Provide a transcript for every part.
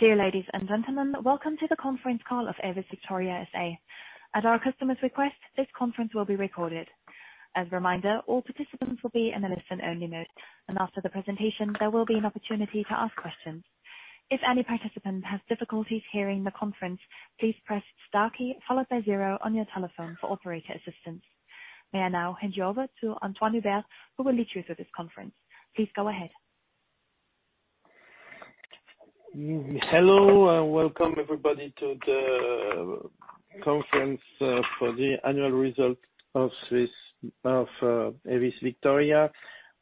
Dear ladies and gentlemen, welcome to the conference call of AEVIS VICTORIA SA. At our customer's request, this conference will be recorded. As a reminder, all participants will be in a listen-only mode, and after the presentation, there will be an opportunity to ask questions. If any participant has difficulties hearing the conference, please press star followed by zero on your telephone for operator assistance. May I now hand you over to Antoine Hubert, who will lead you through this conference. Please go ahead. Hello, and welcome everybody to the conference for the annual result of AEVIS VICTORIA.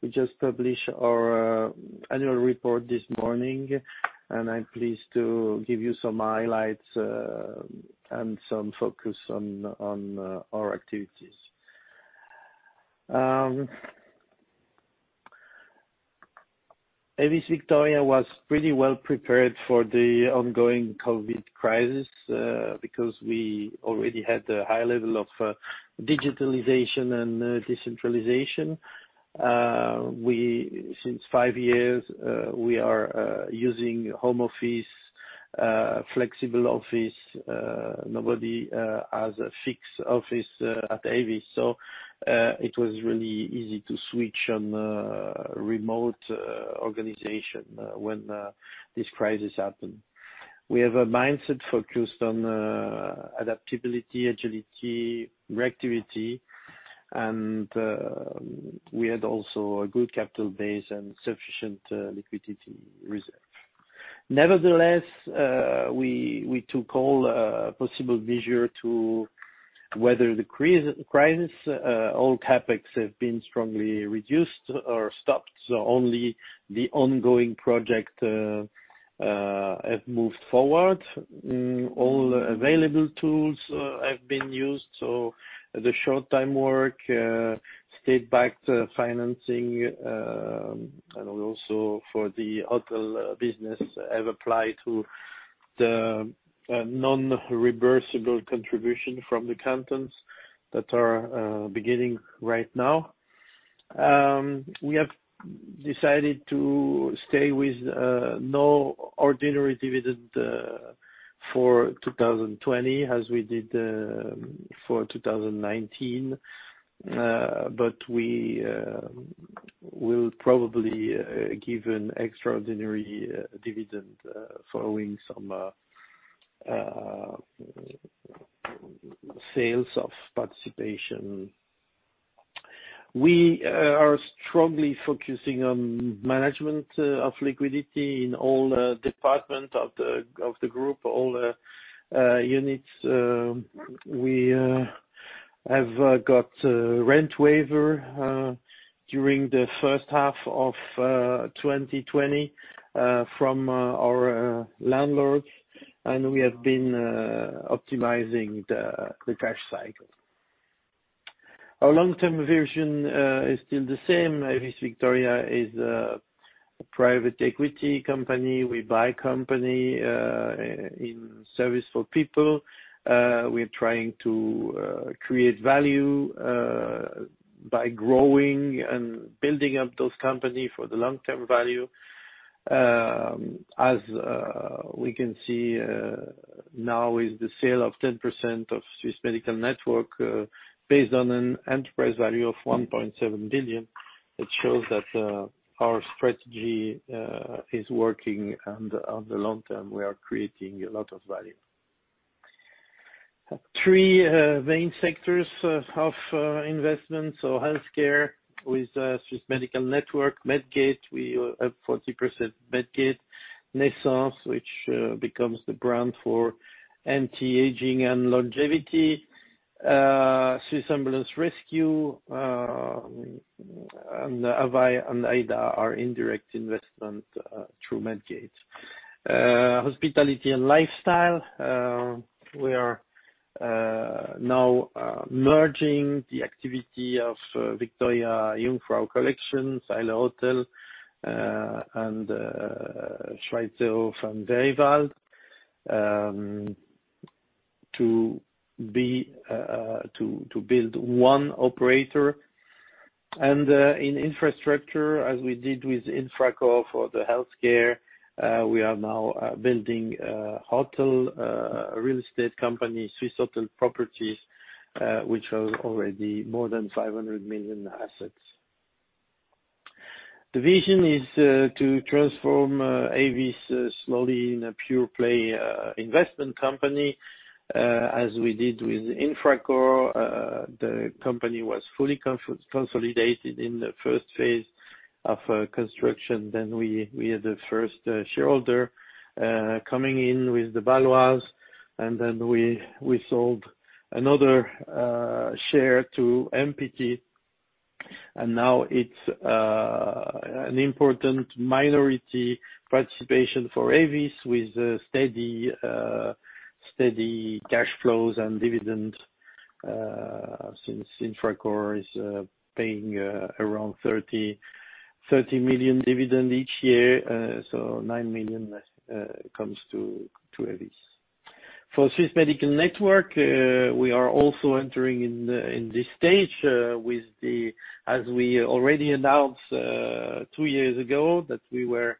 We just published our annual report this morning, and I am pleased to give you some highlights and some focus on our activities. AEVIS VICTORIA was pretty well prepared for the ongoing COVID crisis because we already had a high level of digitalization and decentralization. Since five years, we are using home office, flexible office. Nobody has a fixed office at AEVIS. It was really easy to switch on remote organization when this crisis happened. We have a mindset focused on adaptability, agility, reactivity, and we had also a good capital base and sufficient liquidity reserve. Nevertheless, we took all possible measure to weather the crisis. All CapEx have been strongly reduced or stopped, only the ongoing project have moved forward. All available tools have been used. The short-time work, state-backed financing, and also for the hotel business have applied to the non-reversible contribution from the cantons that are beginning right now. We have decided to stay with no ordinary dividend for 2020 as we did for 2019. We will probably give an extraordinary dividend following some sales of participation. We are strongly focusing on management of liquidity in all department of the group, all units. We have got rent waiver during the first half of 2020 from our landlords, and we have been optimizing the cash cycle. Our long-term vision is still the same. AEVIS VICTORIA is a private equity company. We buy company in service for people. We are trying to create value by growing and building up those company for the long-term value. As we can see now with the sale of 10% of Swiss Medical Network, based on an enterprise value of 1.7 billion, it shows that our strategy is working, and on the long term, we are creating a lot of value. Three main sectors of investment. Healthcare with Swiss Medical Network, Medgate. We have 40% Medgate. Nescens, which becomes the brand for anti-aging and longevity. Swiss Ambulance Rescue, and AVAi and AIDA are indirect investment through Medgate. Hospitality and lifestyle. We are now merging the activity of Victoria-Jungfrau Collection, Seiler Hotel, and Schweizerhof in Vevey to build one operator. In infrastructure, as we did with Infracore for the healthcare, we are now building hotel, a real estate company, Swiss Hotel Properties, which has already more than 500 million assets. The vision is to transform AEVIS slowly in a pure-play investment company, as we did with Infracore. The company was fully consolidated in the first phase of construction. We had the first shareholder coming in with the Baloise. We sold another share to MPT, and now it's an important minority participation for AEVIS with steady cash flows and dividends, since Infracore is paying around 30 million dividend each year. 9 million comes to AEVIS. For Swiss Medical Network, we are also entering in this stage. As we already announced two years ago, that we were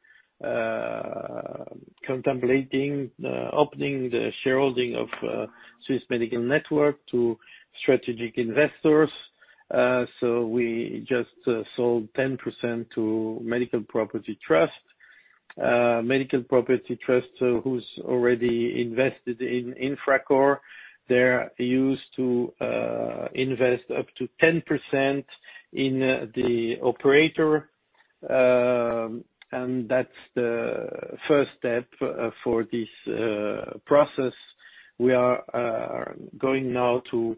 contemplating opening the shareholding of Swiss Medical Network to strategic investors. We just sold 10% to Medical Properties Trust. Medical Properties Trust, who's already invested in Infracore, they used to invest up to 10% in the operator. That's the first step for this process. We are going now to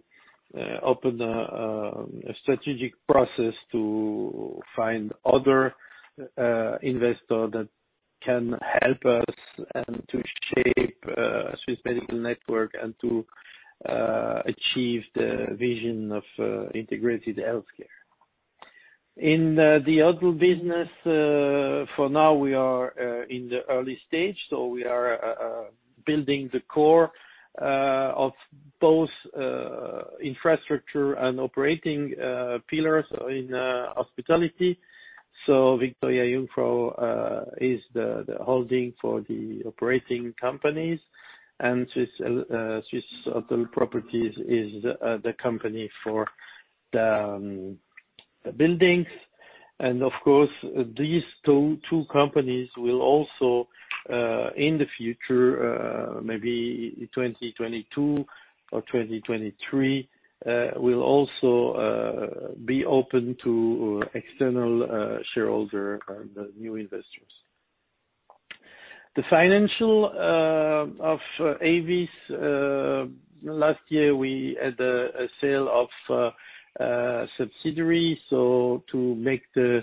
open a strategic process to find other investors that can help us to shape Swiss Medical Network, to achieve the vision of integrated healthcare. In the hotel business, for now, we are in the early stage. We are building the core of both infrastructure and operating pillars in hospitality. Victoria-Jungfrau is the holding for the operating companies. Swiss Hotel Properties is the company for the buildings. Of course, these two companies will also, in the future, maybe 2022 or 2023, will also be open to external shareholders and new investors. The financial of AEVIS. Last year, we had a sale of a subsidiary. To make the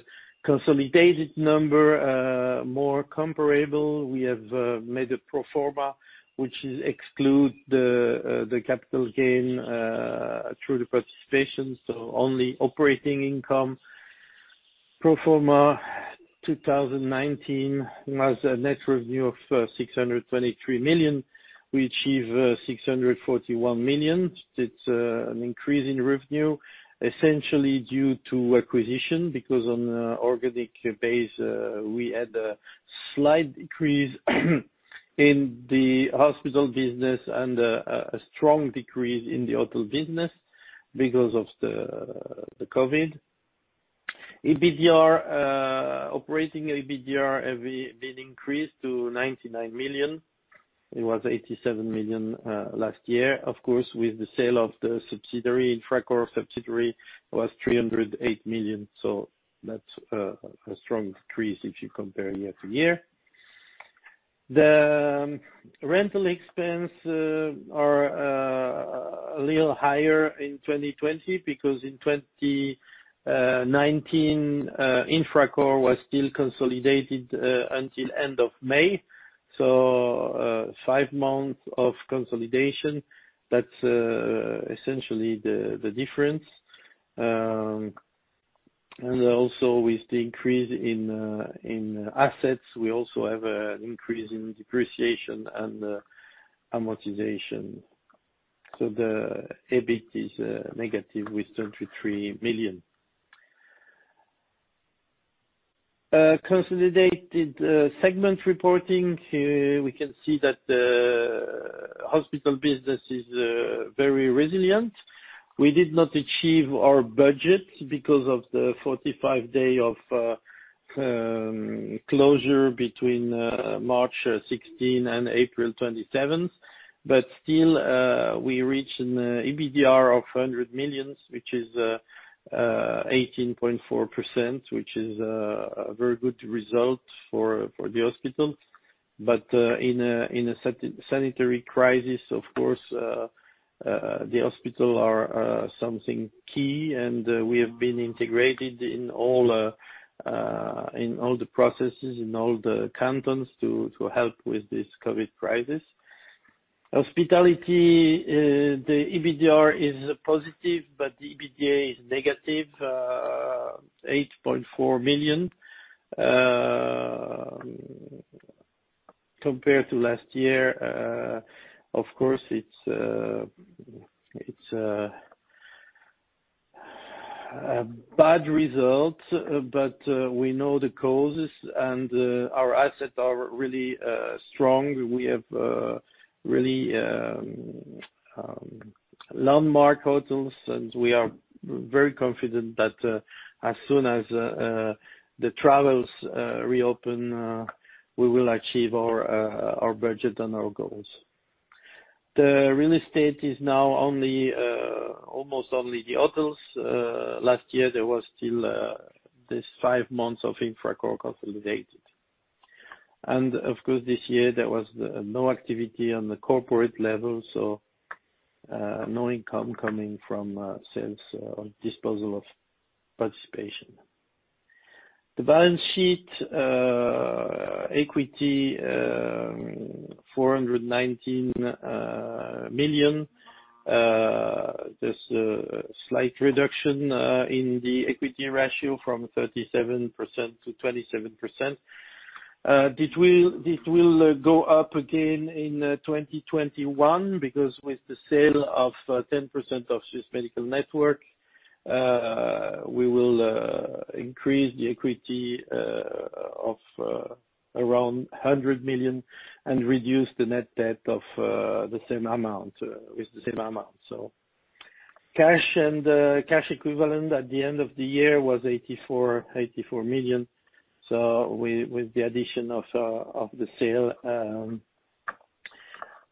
consolidated number more comparable, we have made a pro forma, which excludes the capital gain through the participation, only operating income. Pro forma 2019 has a net revenue of 623 million. We achieve 641 million. That's an increase in revenue, essentially due to acquisition, because on an organic base, we had a slight decrease in the hospital business and a strong decrease in the hotel business because of the COVID. EBITDA, operating EBITDA have been increased to 99 million. It was 87 million last year. Of course, with the sale of the subsidiary, Infracore subsidiary, it was 308 million. That's a strong increase if you compare year to year. The rental expense are a little higher in 2020 because in 2019, Infracore was still consolidated until end of May. Five months of consolidation. That's essentially the difference. Also with the increase in assets, we also have an increase in depreciation and amortization. The EBIT is negative with 33 million. Consolidated segment reporting. Here, we can see that the hospital business is very resilient. We did not achieve our budget because of the 45 day of closure between March 16 and April 27. Still, we reached an EBITDA of 100 million, which is 18.4%, which is a very good result for the hospital. In a sanitary crisis, of course, the hospital are something key. We have been integrated in all the processes, in all the cantons to help with this COVID crisis. Hospitality, the EBITDA is positive, but the EBITDA is negative, 8.4 million. Compared to last year, of course, it's a bad result. We know the causes. Our assets are really strong. We have really landmark hotels. We are very confident that as soon as the travels reopen, we will achieve our budget and our goals. The real estate is now almost only the hotels. Last year, there was still this five months of Infracore consolidated. Of course, this year, there was no activity on the corporate level, so no income coming from sales or disposal of participation. The balance sheet equity, 419 million. There is a slight reduction in the equity ratio from 37% to 27%. This will go up again in 2021 because with the sale of 10% of Swiss Medical Network, we will increase the equity of around 100 million and reduce the net debt with the same amount. Cash and cash equivalent at the end of the year was 84 million. With the addition of the sale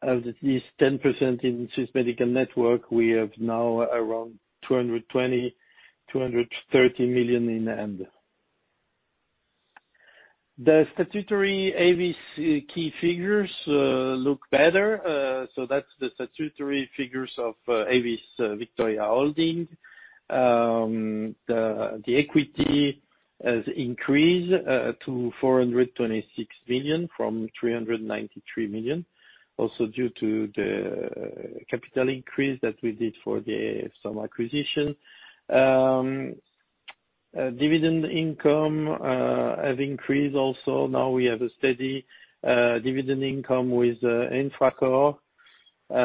of this 10% in Swiss Medical Network, we have now around 220, 230 million in hand. The statutory AEVIS key figures look better. That is the statutory figures of AEVIS VICTORIA Holding. The equity has increased to 426 million from 393 million, also due to the capital increase that we did for some acquisition. Dividend income has increased also. Now we have a steady dividend income with Infracore. We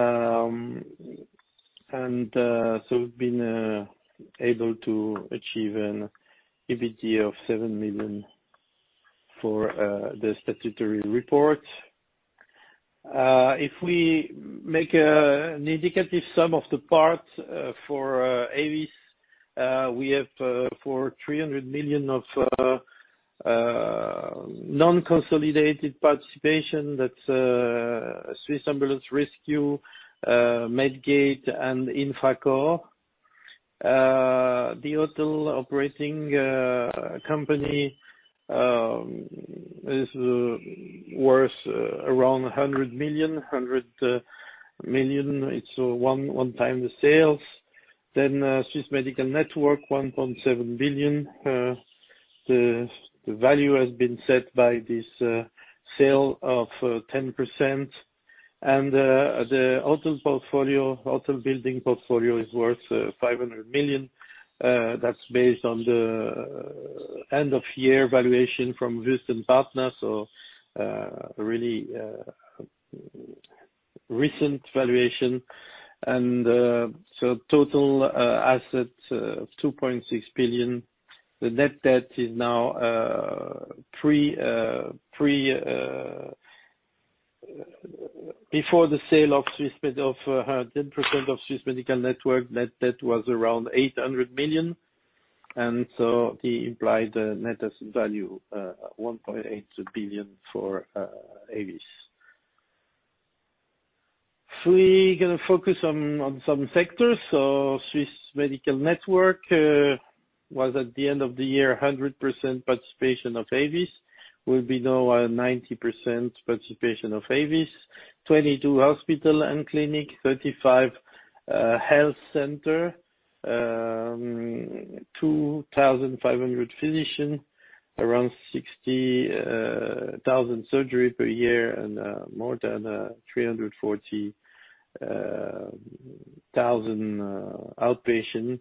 have been able to achieve an EBIT of 7 million for the statutory report. If we make an indicative sum of the parts for AEVIS, we have for 300 million of non-consolidated participation, that is Swiss Ambulance Rescue, Medgate, and Infracore. The hotel operating company is worth around CHF 100 million. It is a one-time sale. Swiss Medical Network, 1.7 billion. The value has been set by this sale of 10%. The hotel building portfolio is worth 500 million. That is based on the end-of-year valuation from Wüest Partner, so a really recent valuation. Total assets of 2.6 billion. The net debt is now before the sale of 10% of Swiss Medical Network, net debt was around 800 million, the implied net asset value, 1.8 billion for AEVIS. We are going to focus on some sectors. Swiss Medical Network was, at the end of the year, 100% participation of AEVIS, will be now a 90% participation of AEVIS. 22 hospital and clinic, 35 health center, 2,500 physician, around 60,000 surgeries per year, and more than 340,000 outpatients,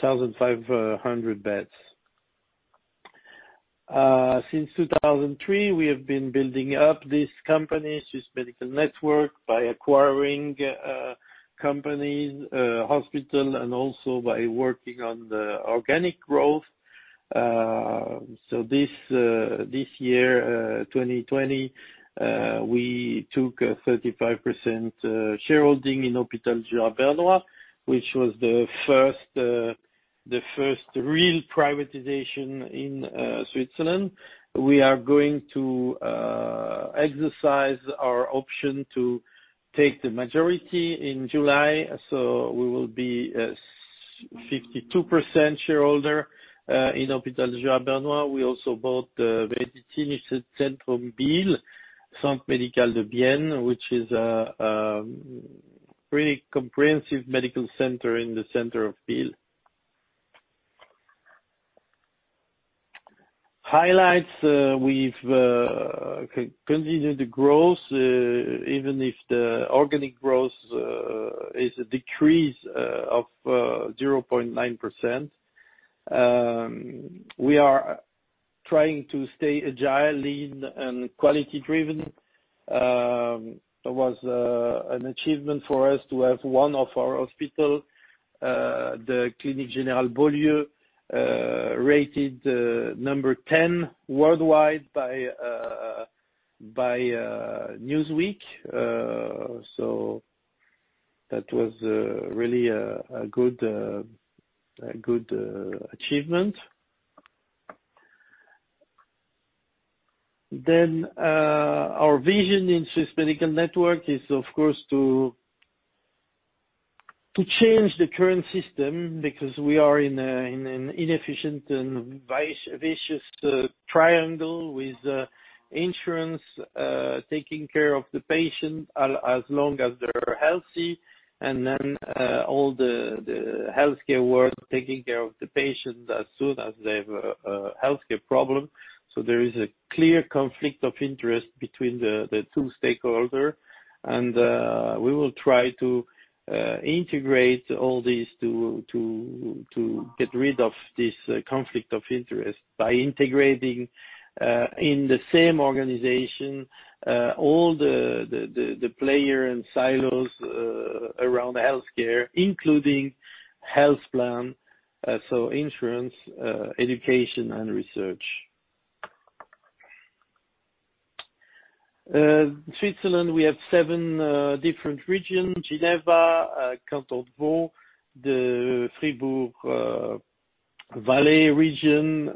1,500 beds. Since 2003, we have been building up this company, Swiss Medical Network, by acquiring companies, hospitals, and also by working on the organic growth. This year, 2020, we took a 35% shareholding in Hôpital du Jura bernois, which was the first real privatization in Switzerland. We are going to exercise our option to take the majority in July, so we will be a 52% shareholder in Hôpital du Jura bernois. We also bought the Medizinisches Zentrum Biel, Centre Médical Bienne, which is a pretty comprehensive medical center in the center of Biel. Highlights, we have continued the growth, even if the organic growth is a decrease of 0.9%. We are trying to stay agile, lean, and quality-driven. It was an achievement for us to have one of our hospitals, the Clinique Générale-Beaulieu, rated number 10 worldwide by Newsweek. That was really a good achievement. Our vision in Swiss Medical Network is, of course, to change the current system because we are in an inefficient and vicious triangle with insurance, taking care of the patient as long as they are healthy, and all the healthcare work, taking care of the patient as soon as they have a healthcare problem. There is a clear conflict of interest between the two stakeholder, and we will try to integrate all this to get rid of this conflict of interest by integrating in the same organization, all the player and silos around healthcare, including health plan, insurance, education, and research. In Switzerland, we have seven different regions: Geneva, Canton de Vaud, the Fribourg, Valais region,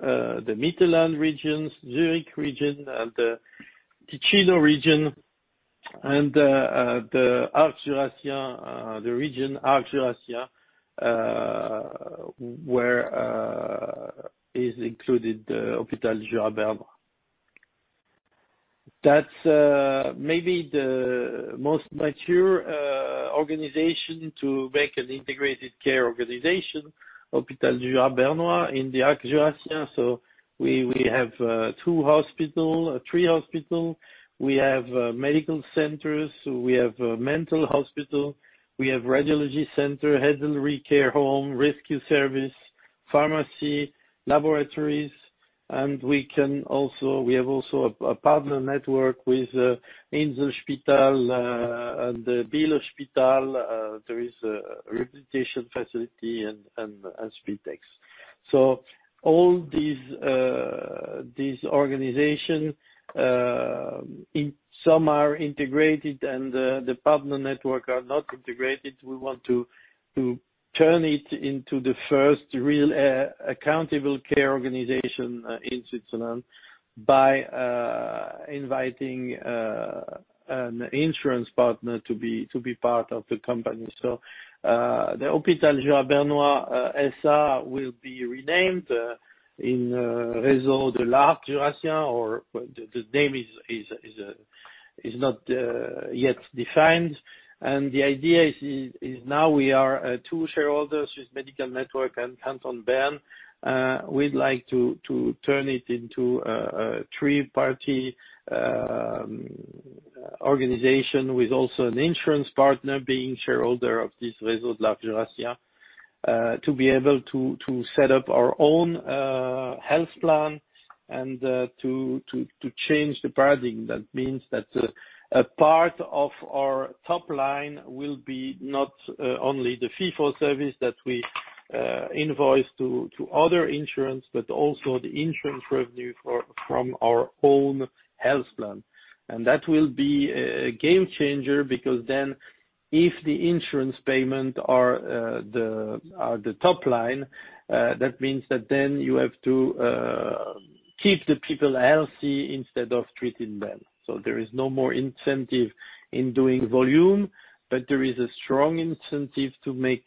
the Mittelland regions, Zurich region, the Ticino region, and the Arc Jurassien region, where is included the Hôpitaux Jura Bernois. That's maybe the most mature organization to make an integrated care organization, Hôpitaux Jura Bernois in the Arc Jurassien. We have three hospitals, we have medical centers, we have a mental hospital, we have a radiology center, elderly care home, rescue service, pharmacy, laboratories, and we have also a partner network with Inselspital and the Biel hospital. There is a rehabilitation facility and Spitäler. All these organizations, some are integrated, and the partner network are not integrated. We want to turn it into the first real accountable care organization in Switzerland by inviting an insurance partner to be part of the company. The Hôpitaux Jura Bernois SA will be renamed in Réseau de l'Arc Jurassien, or the name is not yet defined. The idea is now we are two shareholders with Medical Network and Canton Bern. We'd like to turn it into a three-party organization with also an insurance partner being shareholder of this Réseau de l'Arc Jurassien, to be able to set up our own health plan and to change the paradigm. That means that a part of our top line will be not only the fee-for-service that we invoice to other insurance, but also the insurance revenue from our own health plan. That will be a game changer because then if the insurance payment are the top line, that means that then you have to keep the people healthy instead of treating them. There is no more incentive in doing volume, but there is a strong incentive to make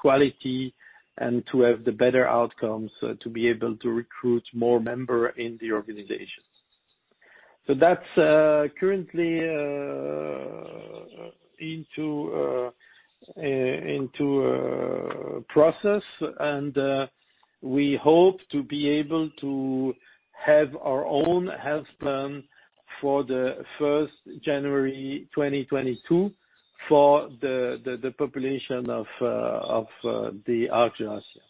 quality and to have the better outcomes to be able to recruit more member in the organization. That's currently into a process, and we hope to be able to have our own health plan for the 1st January 2022 for the population of the Arc Jurassien.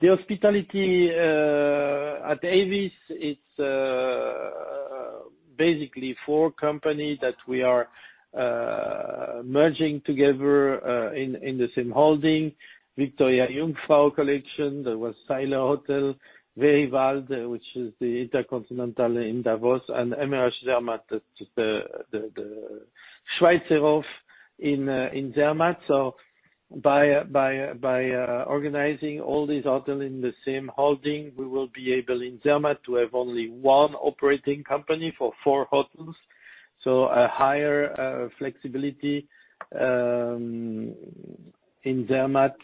The hospitality at AEVIS, it's basically four company that we are merging together in the same holding. Victoria-Jungfrau Collection, the Seiler Hotel, Weriwald, which is the InterContinental in Davos, and MRZ Zermatt, that's just the Schweizerhof in Zermatt. By organizing all these hotel in the same holding, we will be able in Zermatt to have only one operating company for four hotels. A higher flexibility in Zermatt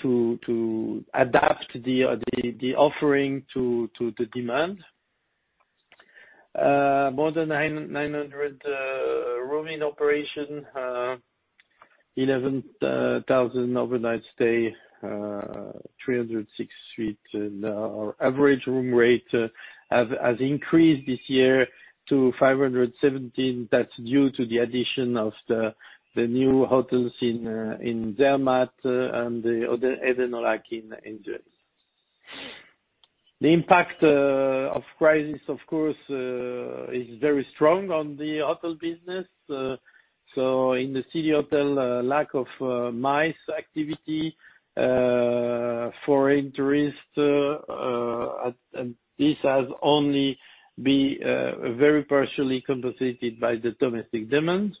to adapt the offering to the demand. More than 900 room in operation, 11,000 overnight stay, 306 suites. Our average room rate has increased this year to 517. That's due to the addition of the new hotels in Zermatt and the Eden au Lac in Geneva. The impact of crisis, of course, is very strong on the hotel business. In the City Hotel, lack of MICE activity, foreign tourist. This has only been very partially compensated by the domestic demand.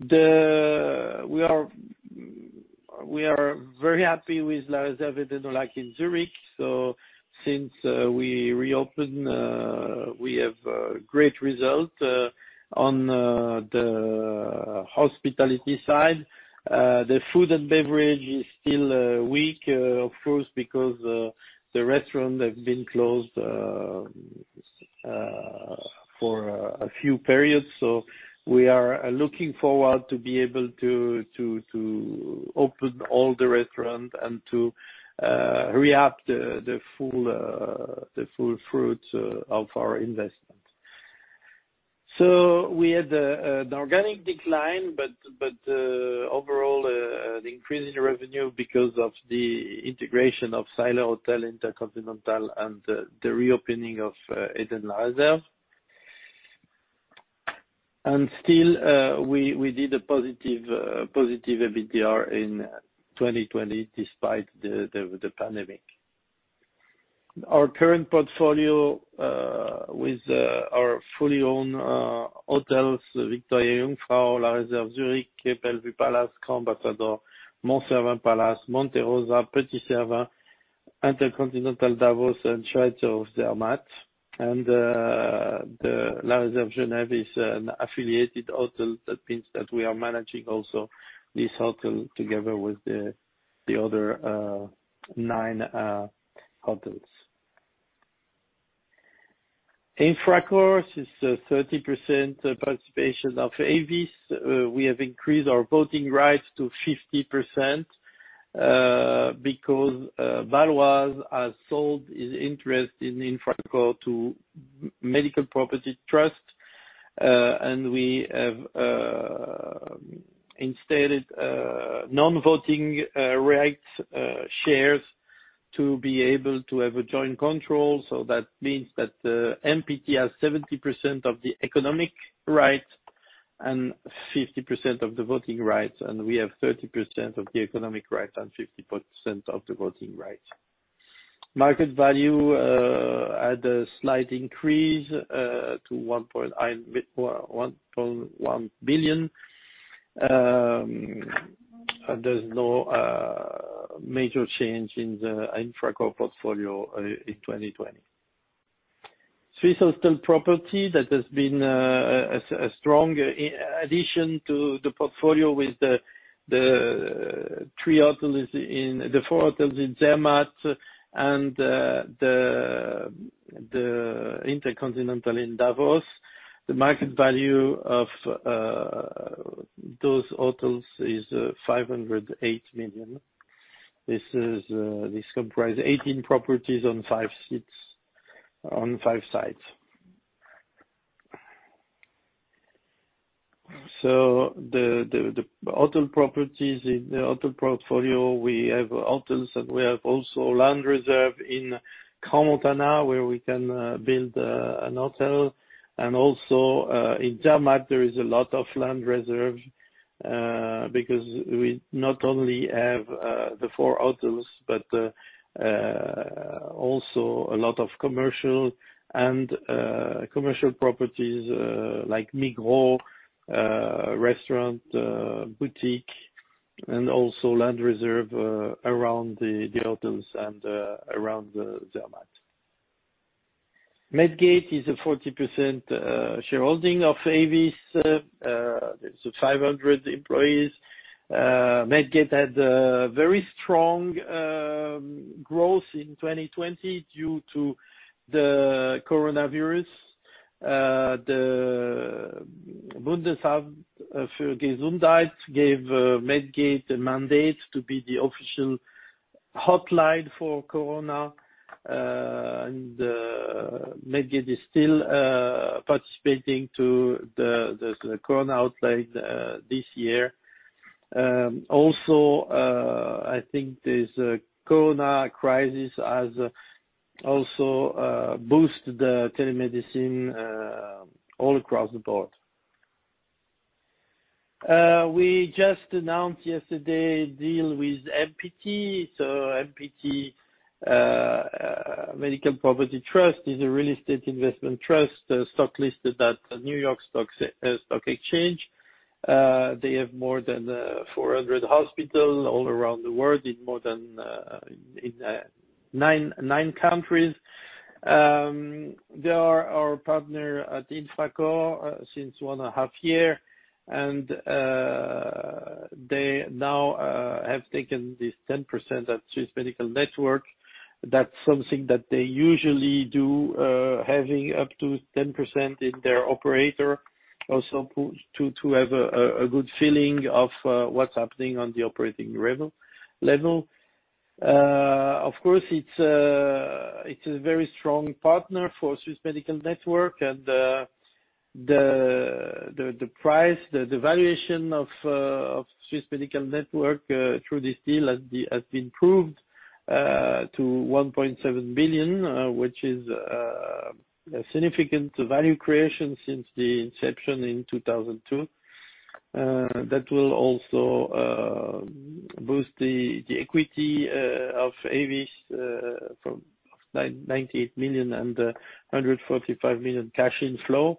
We are very happy with La Réserve Eden au Lac in Zurich. Since we reopened, we have great result on the hospitality side. The food and beverage is still weak, of course, because the restaurant have been closed for a few periods. We are looking forward to be able to open all the restaurants and to reap the full fruits of our investment. We had an organic decline, but overall increase in revenue because of the integration of Seiler Hotels, InterContinental Davos, and the reopening of La Réserve Eden au Lac Zurich. Still, we did a positive EBITDA in 2020 despite the pandemic. Our current portfolio with our fully owned hotels, Victoria-Jungfrau Grand Hotel & Spa, La Réserve Eden au Lac Zurich, Bellevue Palace, Grand Ambassador, Mont Cervin Palace, Monte Rosa, Le Petit Cervin, InterContinental Davos, and Schweizerhof Zermatt. The La Réserve Genève is an affiliated hotel. We are managing also this hotel together with the other nine hotels. Infracore is a 30% participation of AEVIS. We have increased our voting rights to 50% because Baloise has sold its interest in Infracore to Medical Properties Trust. We have installed non-voting rights shares to be able to have a joint control. MPT has 70% of the economic rights and 50% of the voting rights, and we have 30% of the economic rights and 50% of the voting rights. Market value had a slight increase to 1.1 billion. There's no major change in the Infracore portfolio in 2020. Swiss Hotel Properties, that has been a strong addition to the portfolio with the four hotels in Zermatt and the InterContinental Davos. The market value of those hotels is 508 million. This comprises 18 properties on five sites. The hotel properties in the hotel portfolio, we have hotels, and we have also land reserve in Crans-Montana where we can build a hotel and also in Zermatt there is a lot of land reserve, because we not only have the four hotels but also a lot of commercial properties, like Migros, restaurant, boutique, and also land reserve around the hotels and around Zermatt. Medgate is a 40% shareholding of AEVIS. There are 500 employees. Medgate had a very strong growth in 2020 due to the coronavirus. The Bundesamt für Gesundheit gave Medgate the mandate to be the official hotline for corona, and Medgate is still participating to the corona hotline this year. I think this corona crisis has also boosted the telemedicine all across the board. We just announced yesterday a deal with MPT. MPT, Medical Properties Trust, is a real estate investment trust stock listed at New York Stock Exchange. They have more than 400 hospitals all around the world in more than nine countries. They are our partner at Infracore since one and a half years. They now have taken this 10% at Swiss Medical Network. That's something that they usually do, having up to 10% in their operator also to have a good feeling of what's happening on the operating level. It's a very strong partner for Swiss Medical Network. The price, the valuation of Swiss Medical Network through this deal has been proved to 1.7 billion, which is a significant value creation since the inception in 2002. That will also boost the equity of AEVIS from 98 million and 145 million cash inflow.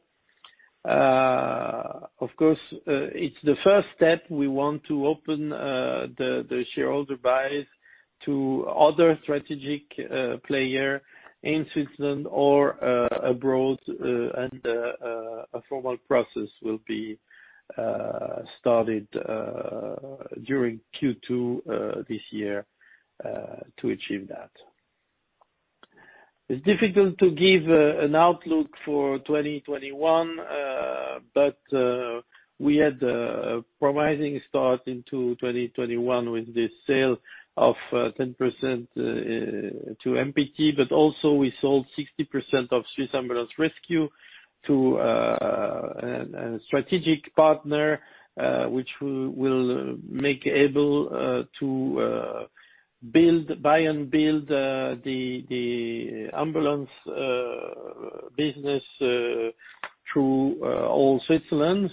It's the first step. We want to open the shareholder base to other strategic player in Switzerland or abroad. A formal process will be started during Q2 this year to achieve that. It's difficult to give an outlook for 2021. We had a promising start into 2021 with this sale of 10% to Medical Properties Trust, but also we sold 60% of Swiss Ambulance Rescue to a strategic partner, which will make able to buy and build the ambulance business through all Switzerland.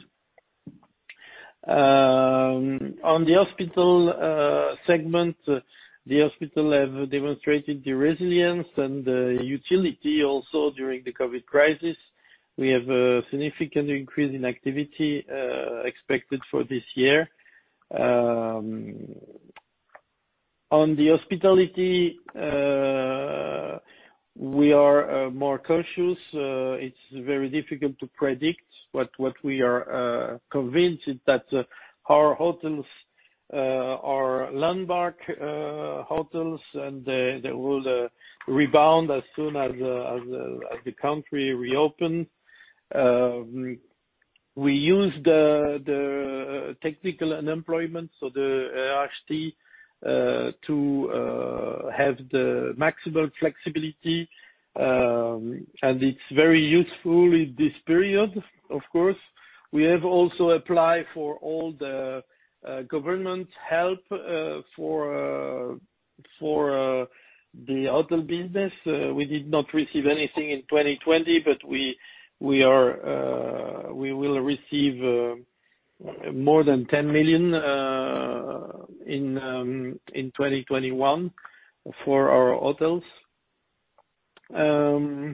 On the hospital segment, the hospital have demonstrated the resilience and the utility also during the COVID crisis. We have a significant increase in activity expected for this year. On the hospitality, we are more cautious. It's very difficult to predict, but what we are convinced is that our hotels are landmark hotels. They will rebound as soon as the country reopens. We use the technical unemployment, the RHT, to have the maximum flexibility. It's very useful in this period, of course. We have also applied for all the government help for the hotel business. We did not receive anything in 2020, we will receive more than 10 million in 2021 for our hotels. In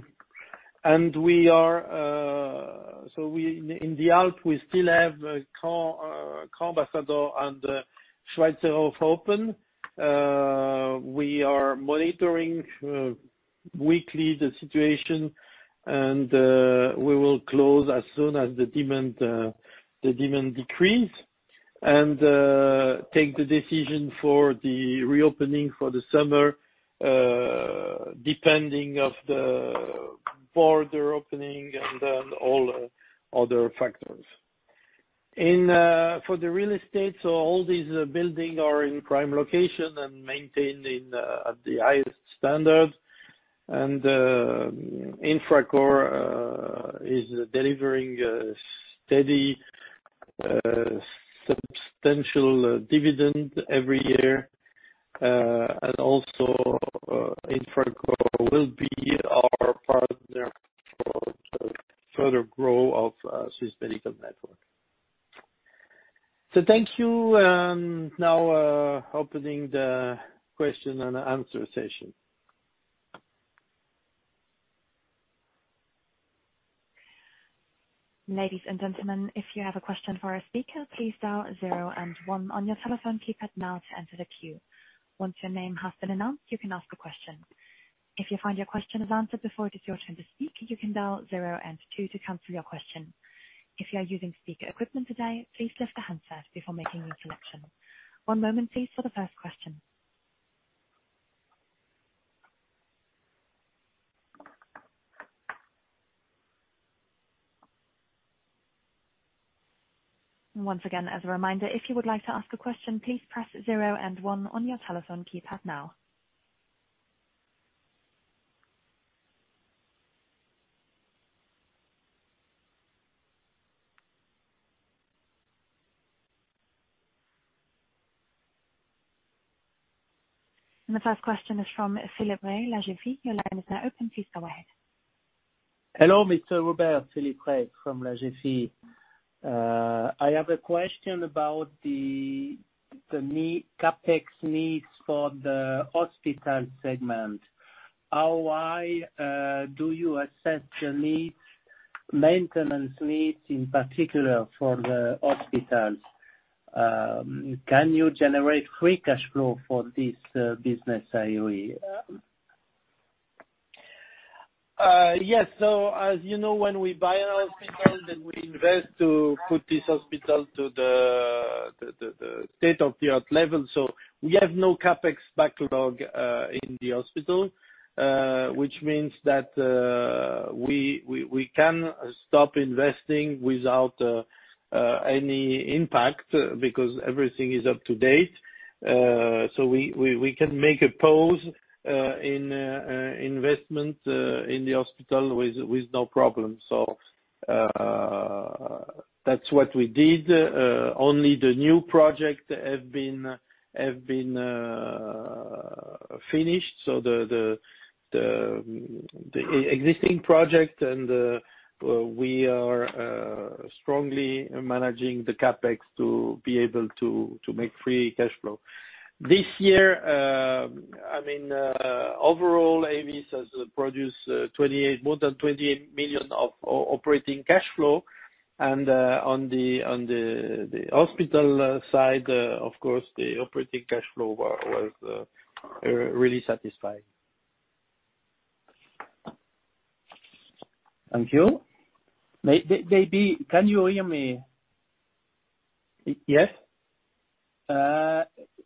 the Alp, we still have Le Grand Ambassador and Schweizerhof open. We are monitoring weekly the situation. We will close as soon as the demand decrease and take the decision for the reopening for the summer, depending of the border opening and then all other factors. For the real estate, all these building are in prime location and maintained at the highest standards. Infracore is delivering a steady, substantial dividend every year. Also, Infracore will be our partner for the further grow of Swiss Medical Network. Thank you. Now, opening the question and answer session. Ladies and gentlemen, if you have a question for a speaker, please dial zero and one on your telephone keypad now to enter the queue. Once your name has been announced, you can ask a question. If you find your question is answered before it is your turn to speak, you can dial zero and two to cancel your question. If you are using speaker equipment today, please lift the handset before making your selection. One moment please, for the first question. Once again, as a reminder, if you would like to ask a question, please press zero and one on your telephone keypad now. The first question is from Philippe Rey, La Vie. Your line is now open. Please go ahead. Hello, Mr. Hubert. Philippe Rey from La Vie. I have a question about the CapEx needs for the hospital segment. How do you assess your maintenance needs, in particular for the hospitals? Can you generate free cash flow for this business annually? Yes. As you know, when we buy a hospital, we invest to put this hospital to the state-of-the-art level. We have no CapEx backlog in the hospital, which means that we can stop investing without any impact because everything is up to date. We can make a pause in investment in the hospital with no problem. That's what we did. Only the new project have been finished. The existing project and we are strongly managing the CapEx to be able to make free cash flow. This year, overall, AEVIS has produced more than 28 million of operating cash flow, and on the hospital side, of course, the operating cash flow was really satisfying. Thank you. Can you hear me? Yes.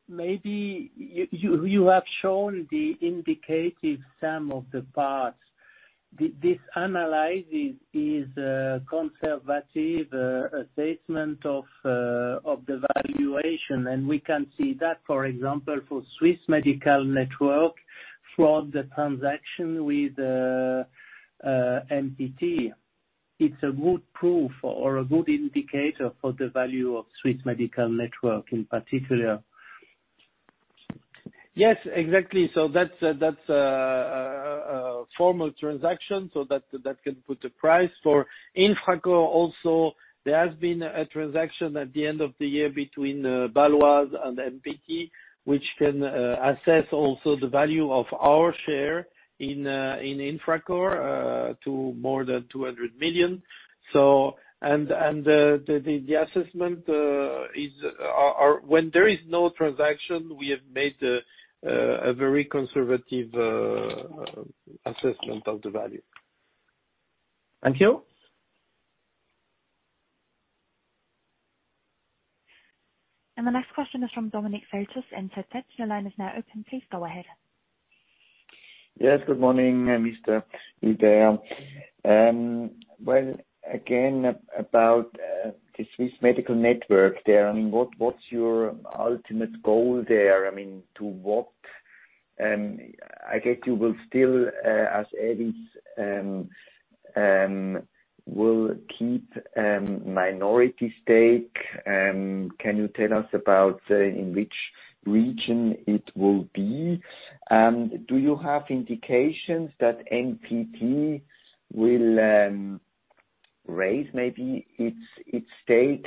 You have shown the indicative sum of the parts. This analysis is a conservative assessment of the valuation. We can see that, for example, for Swiss Medical Network From the transaction with MPT, it's a good proof or a good indicator for the value of Swiss Medical Network in particular. Yes, exactly. That's a formal transaction, that can put a price for Infracore also. There has been a transaction at the end of the year between Baloise and MPT, which can assess also the value of our share in Infracore to more than 200 million. The assessment is, when there is no transaction, we have made a very conservative assessment of the value. Thank you. The next question is from Dominic Fotis, Intertek. Your line is now open. Please go ahead. Yes, good morning, Mr. Hubert. Again, about the Swiss Medical Network there, what's your ultimate goal there? I guess you will still, as AEVIS, will keep minority stake. Can you tell us about in which region it will be? Do you have indications that MPT will raise maybe its stake?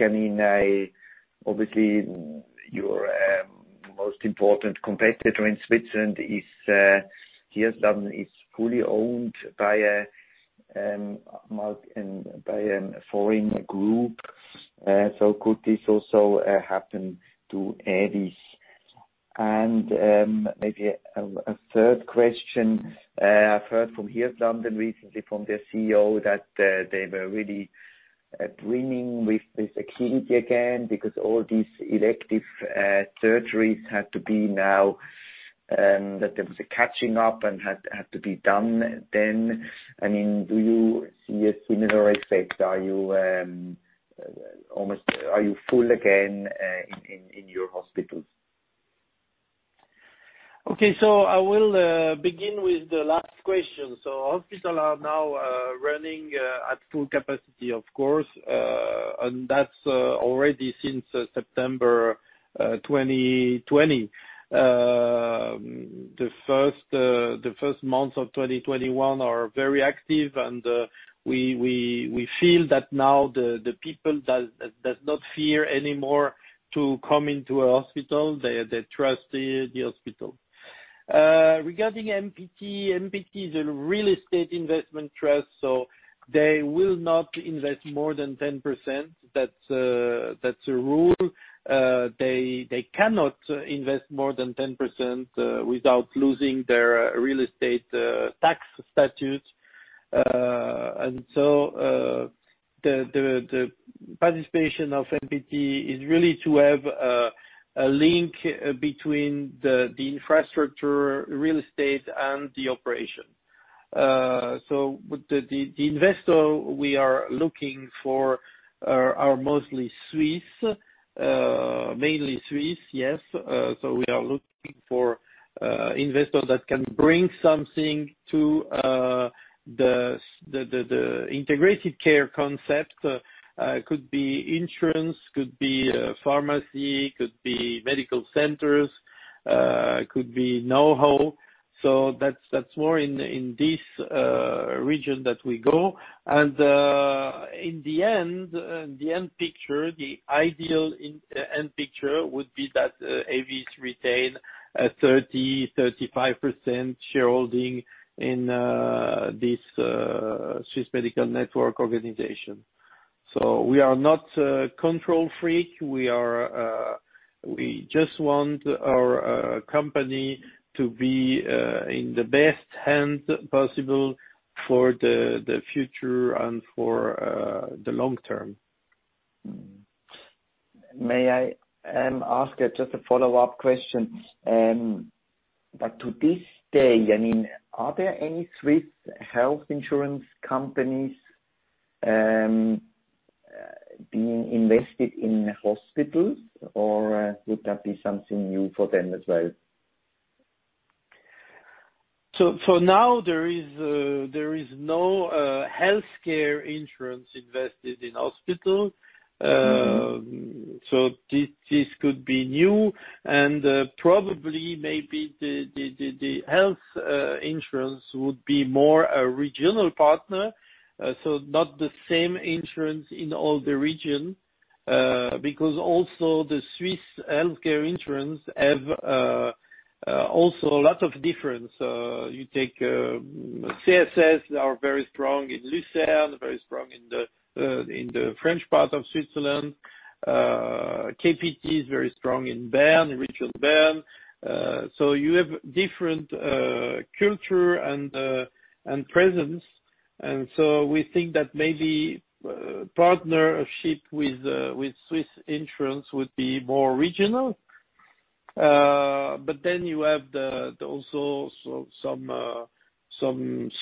Obviously, your most important competitor in Switzerland is Hirslanden is fully owned by a foreign group. Could this also happen to AEVIS? Maybe a third question. I've heard from Hirslanden recently from their CEO that they were really brimming with activity again, because all these elective surgeries had to be now, that there was a catching up and had to be done then. Do you see a similar effect? Are you full again in your hospitals? Okay. I will begin with the last question. Hospitals are now running at full capacity, of course, and that is already since September 2020. The first months of 2021 are very active, and we feel that now the people do not fear anymore to come into a hospital. They trust the hospital. Regarding MPT is a real estate investment trust. They will not invest more than 10%. That is a rule. They cannot invest more than 10% without losing their real estate tax statute. The participation of MPT is really to have a link between the infrastructure, real estate, and the operation. The investor we are looking for are mostly Swiss, mainly Swiss, yes. We are looking for investors that can bring something to the integrated care concept. Could be insurance, could be pharmacy, could be medical centers, could be know-how. That is more in this region that we go. In the end picture, the ideal end picture would be that AEVIS retain a 30%-35% shareholding in this Swiss Medical Network organization. We are not control freak. We just want our company to be in the best hand possible for the future and for the long term. May I ask just a follow-up question? To this day, are there any Swiss health insurance companies being invested in hospitals, or would that be something new for them as well? For now, there is no healthcare insurance invested in hospital. This could be new, probably maybe the health insurance would be more a regional partner. Not the same insurance in all the region, because also the Swiss healthcare insurance have also a lot of difference. You take CSS are very strong in Lucerne, very strong in the French part of Switzerland. KPT is very strong in Bern, the region Bern. You have different culture and presence, we think that maybe partnership with Swiss insurance would be more regional. You have also some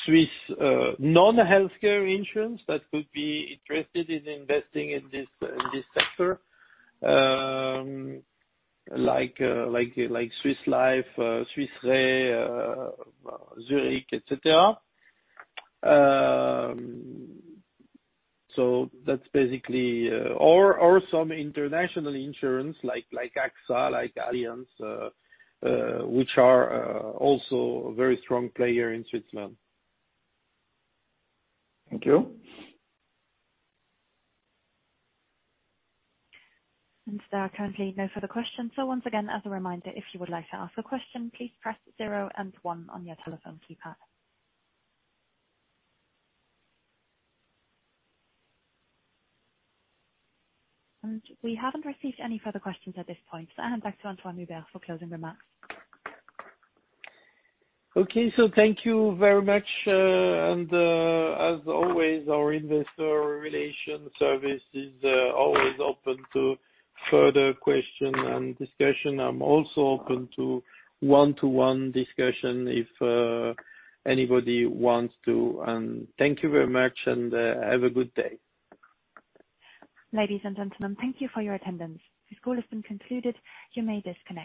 Swiss non-healthcare insurance that could be interested in investing in this sector, like Swiss Life, Swiss Re, Zurich, et cetera. Some international insurance like AXA, like Allianz, which are also a very strong player in Switzerland. Thank you. There are currently no further questions. Once again, as a reminder, if you would like to ask a question, please press zero and one on your telephone keypad. We haven't received any further questions at this point. I hand back to Antoine Hubert for closing remarks. Thank you very much, as always, our investor relation service is always open to further question and discussion. I'm also open to one-to-one discussion if anybody wants to. Thank you very much, and have a good day. Ladies and gentlemen, thank you for your attendance. This call has been concluded. You may disconnect.